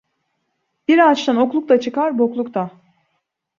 Bir ağaçtan okluk da çıkar, bokluk da.